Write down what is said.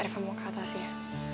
revo mau ke atas ya